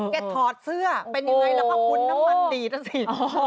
แกทอดเสื้อเป็นอย่างไรแล้วคุ้นน้ำมันดีน่ะสิ